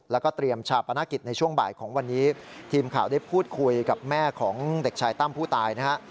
แล้วก็เตรียมชาปนกิจในช่วงบ่ายของวันนี้ทีมข่าวได้พูดคุยกับแม่ของเด็กชายตั้มผู้ตายนะฮะ